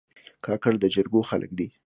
کاکړ د جرګو خلک دي.